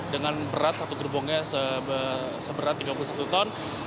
dengan berat satu gerbongnya seberat tiga puluh satu ton